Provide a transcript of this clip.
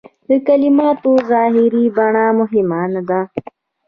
د کلماتو ظاهري بڼه مهمه نه ده.